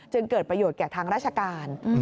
เกิดประโยชนแก่ทางราชการ